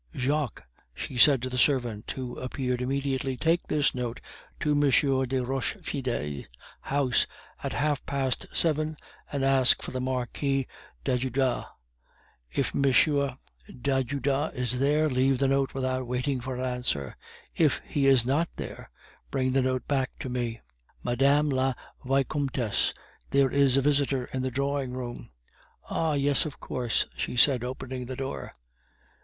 "Jacques," she said to the servant, who appeared immediately, "take this note to M. de Rochefide's house at half past seven and ask for the Marquis d'Ajuda. If M. d'Ajuda is there, leave the note without waiting for an answer; if he is not there, bring the note back to me." "Madame la Vicomtess, there is a visitor in the drawing room." "Ah! yes, of course," she said, opening the door.